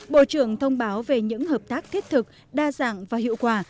bộ trưởng thông báo về những hợp tác thiết thực đa dạng và hiệu quả